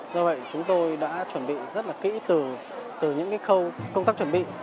do vậy chúng tôi đã chuẩn bị rất là kỹ từ những khâu công tác chuẩn bị